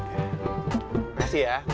terima kasih ya